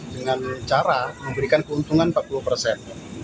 dengan cara memberikan keuntungan empat puluh persen